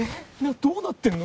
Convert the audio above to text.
どうなってんの？